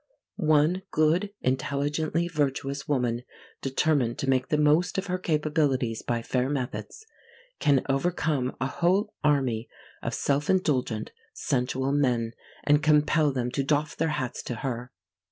One good, intelligently virtuous woman, determined to make the most of her capabilities by fair methods, can overcome a whole army of self indulgent, sensual men, and compel them to doff their hats to her.